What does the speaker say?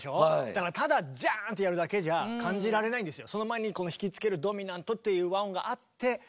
だからただジャーンとやるだけじゃ感じられないんですよ。